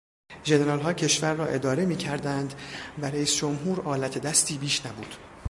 ژنرالها کشور را اداره میکردند و رئیس جمهور آلت دستی بیش نبود.